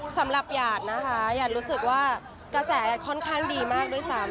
สำหรับหยาดนะคะหยาดรู้สึกว่ากระแสแอดค่อนข้างดีมากด้วยซ้ำ